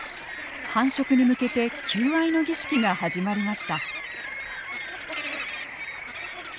繁殖に向けて求愛の儀式が始まりました。